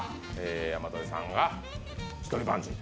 山添さんが一人バンジー。